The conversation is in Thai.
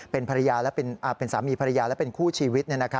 เป็นสามีภรรยาและเป็นคู่ชีวิต